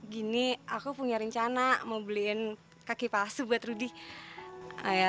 gini aku punya rencana mau beliin kaki palsu buat rudy